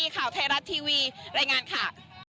วิมวลวันธรรมพักดีข่าวไทยรัฐทีวีรายงานค่ะ